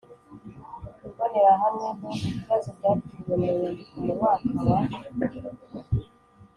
Imbonerahamwe No Ibibazo byakiriwe mu nyandiko mu mwaka wa